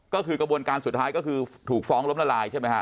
ก็คือกระบวนการสุดท้ายก็คือถูกฟ้องล้มละลายใช่ไหมฮะ